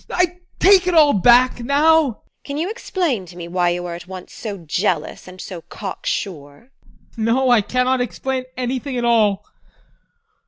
I take it all back now! TEKLA. Can you explain to me why you are at once so jealous and so cock sure? ADOLPH. No, I cannot explain anything at all.